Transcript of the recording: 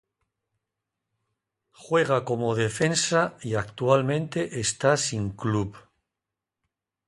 Juega como defensa y actualmente está sin club.